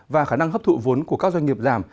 và khả năng hấp thụ vốn của các doanh nghiệp giảm